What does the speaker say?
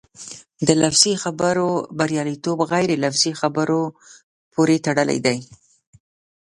د لفظي خبرو بریالیتوب غیر لفظي خبرو پورې تړلی دی.